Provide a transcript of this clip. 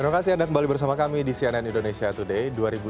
terima kasih anda kembali bersama kami di cnn indonesia today